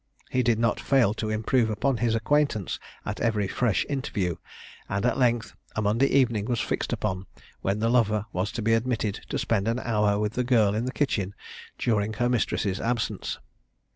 He did not fail to improve upon his acquaintance at every fresh interview, and at length a Monday evening was fixed upon, when the lover was to be admitted to spend an hour with the girl in the kitchen during her mistress's absence.